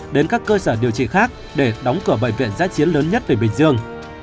đến các cơ sở điều trị khác để đóng cửa bệnh viện giã chiến lớn nhất về bình dương